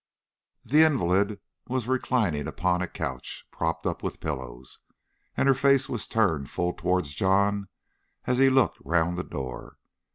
The invalid was reclining upon a couch, propped up with pillows, and her face was turned full towards John as he looked round the door.